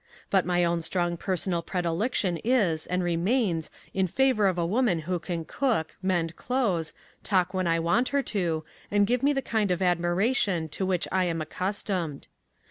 But my own strong personal predilection is and remains in favour of a woman who can cook, mend clothes, talk when I want her to, and give me the kind of admiration to which I am accustomed.